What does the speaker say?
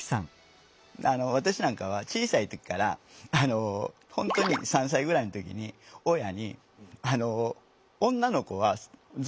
私なんかは小さい時から本当に３歳ぐらいの時に親に「女の子はズボンはいてもいいのに